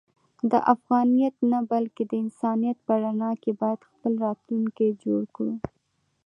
د افغانیت نه بلکې د انسانیت په رڼا کې باید خپل راتلونکی جوړ کړو.